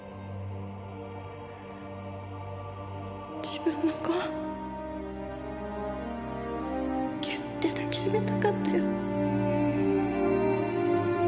自分の子をギュッて抱きしめたかったよ。